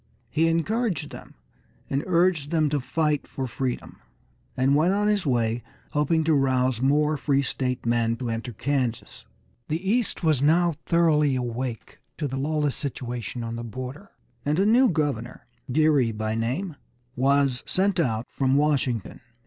He encouraged them and urged them to fight for freedom, and went on his way hoping to rouse more free state men to enter Kansas. The East was now thoroughly awake to the lawless situation on the border, and a new governor, Geary by name, was sent out from Washington.